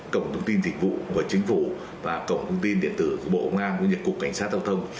cổng thông tin thịnh vụ của chính phủ và cổng thông tin điện tử của bộ ngoan của nhật cục cảnh sát tàu thông